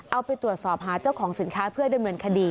เอาไปตรวจสอบหาเจ้าของสินค้าเพื่อดำเนินคดี